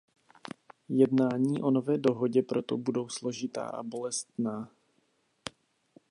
Jednání o nové dohodě proto budou složitá a bolestná.